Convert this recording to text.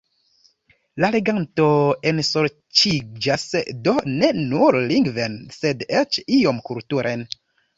La leganto ensorĉiĝas do ne nur lingven, sed eĉ iom kulturen.